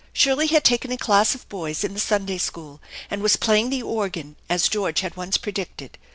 Shirley had taken a class of boys in the Sunday school and was playing the organ, as George had once predicted.